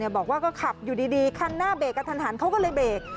บอกว่าก็ขับอยู่ดีคันหน้าเบรกกระทันหันเขาก็เลยเบรก